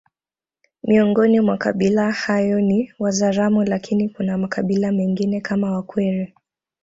Miongoni mwa kabila hayo ni Wazaramo lakini kuna makabila mengine kama wakwere